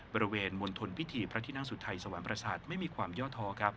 บริเวณมวลทนพิษฐีพระที่นังสุดไทยสวรรค์ประสาทไม่มีความย่อทอ